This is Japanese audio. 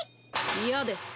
嫌です。